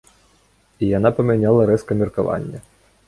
І яна памяняла рэзка меркаванне.